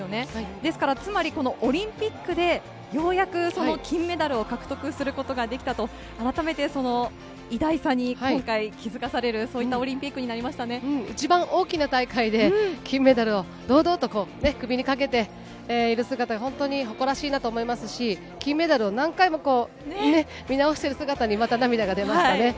ですから、つまりこのオリンピックでようやくその金メダルを獲得することができたと、改めてその偉大さに今回、気付かされる、そういったオリンピック一番大きな大会で、金メダルを堂々と首にかけている姿が本当に誇らしいなと思いますし、金メダルを何回もこうね、見直してる姿に、また涙が出ましたね。